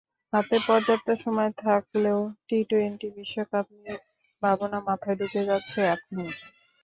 হাতে পর্যাপ্ত সময় থাকলেও টি-টোয়েন্টি বিশ্বকাপ নিয়ে ভাবনা মাথায় ঢুকে যাচ্ছে এখনই।